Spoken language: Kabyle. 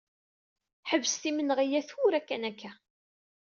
Ḥebset imenɣi-a tura kan akka.